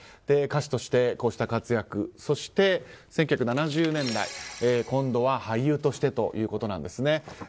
歌手として、こうした活躍そして１９７０年代今度は俳優としてということです。